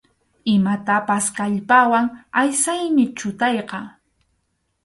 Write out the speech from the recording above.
Imatapas kallpawan aysaymi chutayqa.